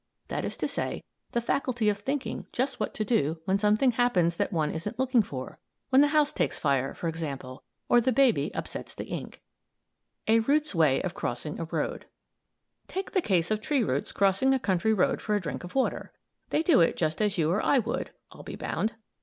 That is to say, the faculty of thinking just what to do when something happens that one isn't looking for; when the house takes fire, for example, or the baby upsets the ink. [Illustration: THREE SCHOOLS OF STRATEGY] A ROOT'S WAY OF CROSSING A ROAD Take the case of tree roots crossing a country road for a drink of water. They do it just as you or I would, I'll be bound.